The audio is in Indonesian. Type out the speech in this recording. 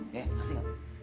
ya kasih kak